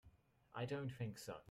I don't think so.